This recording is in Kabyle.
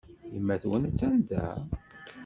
Yemma-twen attan da?